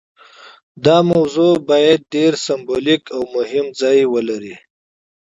دا موضوع باید ډیر سمبولیک او مهم ځای ولري.